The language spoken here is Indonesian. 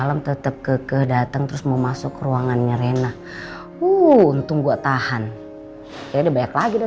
mama mau jelasin ke rena kalau